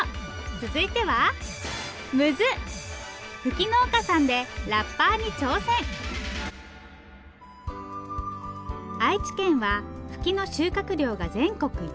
続いては愛知県はフキの収穫量が全国一。